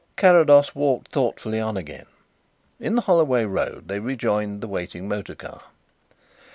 Carrados walked thoughtfully on again. In the Holloway Road they rejoined the waiting motor car.